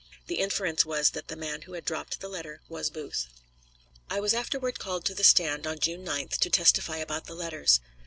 The inference was that the man who had dropped the letter was Booth. I was afterward called to the stand, on June 9th, to testify about the letters.